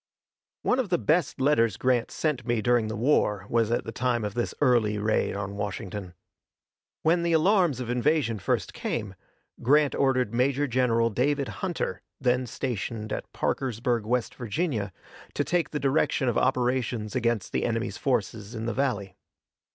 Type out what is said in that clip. One of the best letters Grant sent me during the war was at the time of this Early raid on Washington. When the alarms of invasion first came, Grant ordered Major General David Hunter, then stationed at Parkersburg, W. Va., to take the direction of operations against the enemy's forces in the valley.